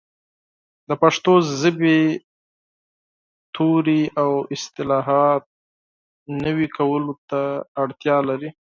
د پښتو ژبې لغتونه او اصطلاحات نوي کولو ته اړتیا لري.